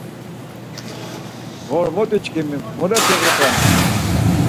Ğormotiçkimi murepe iqven?